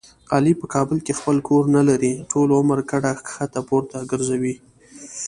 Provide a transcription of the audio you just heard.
علي په کابل کې خپل کور نه لري. ټول عمر کډه ښکته پورته ګرځوي.